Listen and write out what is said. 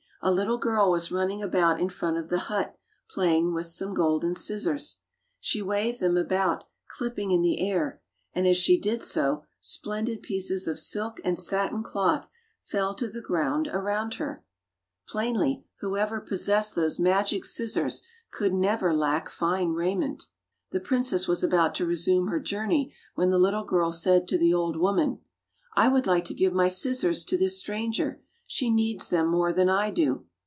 A little girl was running about in front of the hut playing with some golden scissors. She waved them about, clipping in the air, and, as she did so, splendid pieces of silk and satin cloth fell to the ground around her. 132 Fairy Tale Bears Plainly, whoever possessed those magic scissors could never lack fine raiment. The princess was about to resume her journey when the little girl said to the old woman, 'T would like to give my scissors to this stranger. She needs them more than I do."